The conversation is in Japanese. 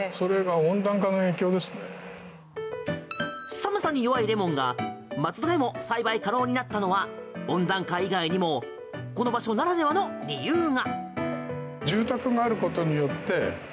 寒さに弱いレモンが松戸でも栽培可能になったのは温暖化以外にもこの場所ならではの理由が。